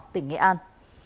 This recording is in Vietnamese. tỉnh nghệ an